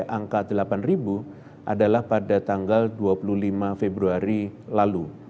dan angka delapan adalah pada tanggal dua puluh lima februari lalu